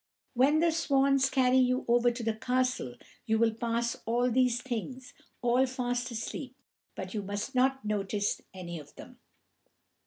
When the swans carry you over to the castle, you will pass all these things, all fast asleep, but you must not notice any of them.